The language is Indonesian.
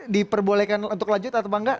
diperbolehkan untuk lanjut atau enggak